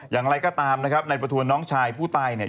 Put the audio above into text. อย่างไรก็ตามนะครับนายประทวนน้องชายผู้ตายเนี่ย